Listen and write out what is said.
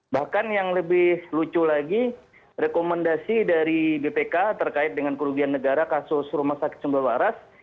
bahkan yang lebih lucu lagi rekomendasi dari bpk terkait dengan kerugian negara kasus rumah sakit sumber waras